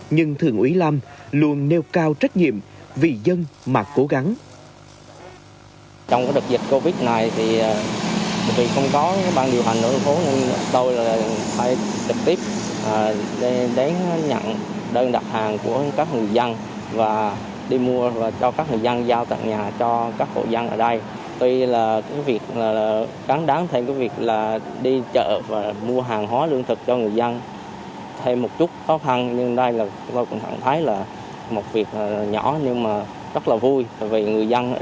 nhưng thường ủy lam luôn nêu cao trách nhiệm vì dân mà cố gắng